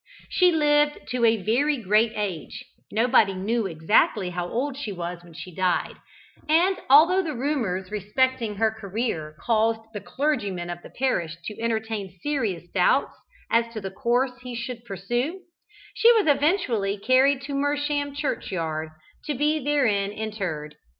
She lived to a very great age nobody knew exactly how old she was when she died; and, although the rumours respecting her career caused the clergyman of the Parish to entertain serious doubts as to the course he should pursue, she was eventually carried to Mersham churchyard to be therein interred.